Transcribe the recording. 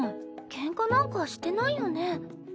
ケンカなんかしてないよね。